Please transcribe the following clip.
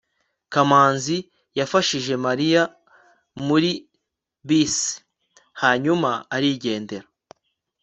kamanzi yafashije mariya muri bisi, hanyuma arigendera